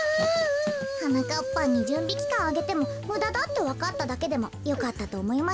はなかっぱんにじゅんびきかんあげてもむだだってわかっただけでもよかったとおもいましょ。